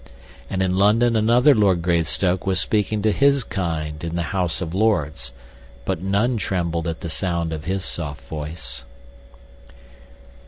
And in London another Lord Greystoke was speaking to his kind in the House of Lords, but none trembled at the sound of his soft voice.